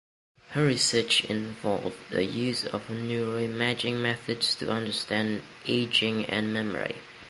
Her research involved the use of neuroimaging methods to understand ageing and memory.